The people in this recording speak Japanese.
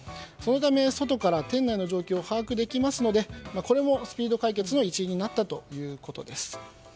そのため、外から店内の状況を把握できますのでこれもスピード解決の一因になったということです。